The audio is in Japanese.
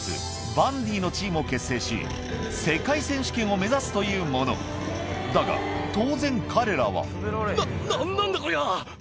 バンディのチームを結成し世界選手権を目指すというものだが当然彼らは何なんだこりゃ